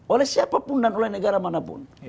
oleh siapapun dan oleh negara manapun